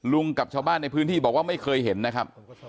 กับชาวบ้านในพื้นที่บอกว่าไม่เคยเห็นนะครับ